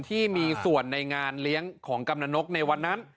ที่มีส่วนในงานเลี้ยงของกำลังนกในวันนั้น